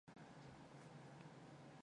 Гэвч тэрбээр нэг их удалгүй баригдсан байлаа.